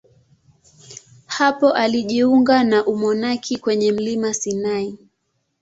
Hapo alijiunga na umonaki kwenye mlima Sinai.